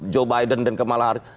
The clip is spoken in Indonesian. joe biden dan kamala harris